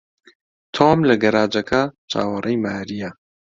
تۆم لە گەراجەکە چاوەڕێی مارییە.